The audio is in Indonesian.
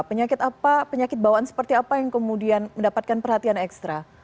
penyakit apa penyakit bawaan seperti apa yang kemudian mendapatkan perhatian ekstra